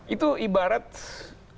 itu ibarat aneh